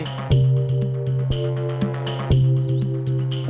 แก่คนนี้ต้องไม่ใช่มีคนได้มากเลย